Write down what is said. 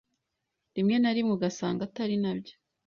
Rimwe na rimwe ugasanga atari nabyo